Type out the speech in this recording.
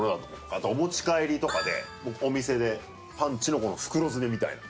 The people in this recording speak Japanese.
あとお持ち帰りとかでお店でパンチの袋詰めみたいな。